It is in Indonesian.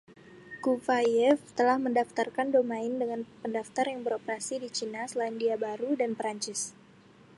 Kuvayev telah mendaftarkan domain dengan pendaftar yang beroperasi di Cina, Selandia Baru, dan Prancis.